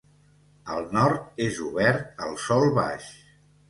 Al nord és obert al sòl baix.